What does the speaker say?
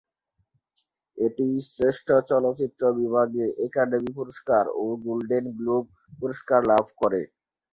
এটি শ্রেষ্ঠ চলচ্চিত্র বিভাগে একাডেমি পুরস্কার ও গোল্ডেন গ্লোব পুরস্কার লাভ করে।